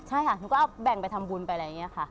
ใช่ค่ะหนูก็เอาแบ่งไปทำบุญไปอะไรอย่างนี้ค่ะ